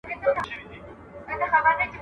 جاله وان ورباندي ږغ کړل ملاجانه.